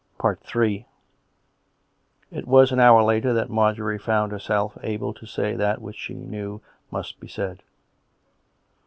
Ill li was an hour later that Marjorie found herself able to say that which she knew must be said.